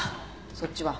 そっちは？